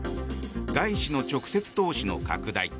外資の直接投資の拡大